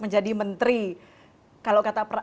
menjadi menteri kalau kata